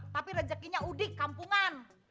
tapi rezekinya udik kampungan